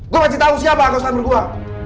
gua masih tahu siapa kau selama berdua